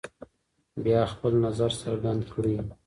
بیا خپل نظر څرګند کړئ.